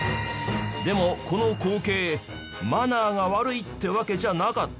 でもこの光景マナーが悪いってわけじゃなかった？